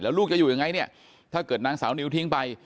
ลูกจะอยู่ยังไงเนี่ยถ้าเกิดนางสาวนิวทิ้งไป